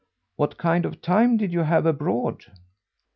What kind of a time did you have abroad?"